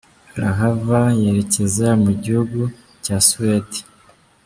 Arahava yerekeza mu gihugu cya Suwede.